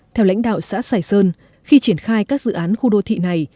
theo lãnh đạo xã sài sơn khi triển khai các dự án khu đô thị này